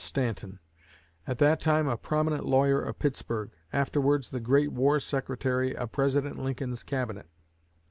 Stanton, at that time a prominent lawyer of Pittsburgh, afterwards the great War Secretary of President Lincoln's cabinet.